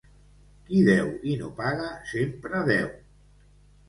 Qui deu i no paga, sempre deu.